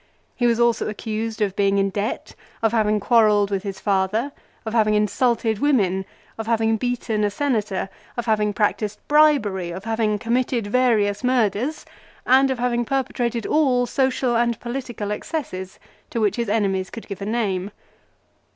He was also accused of being in debt, of having quarrelled with his father, of having insulted women, of having beaten a Senator, of having practised bribery, of having committed various murders, and of having perpetrated all social and political excesses to which his enemies could give a name.